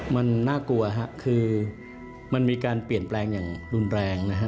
มันน่ากลัวฮะคือมันมีการเปลี่ยนแปลงอย่างรุนแรงนะฮะ